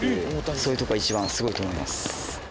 そういうとこが一番すごいと思います。